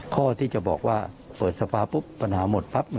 ข้อที่จะบอกว่าเปิดสภาปุ๊บปัญหาหมดปั๊บ